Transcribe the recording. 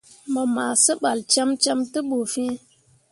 Mu ma sebal cemme te bu fin.